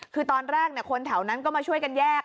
คือตอนแรกคนแถวนั้นก็มาช่วยกันแยก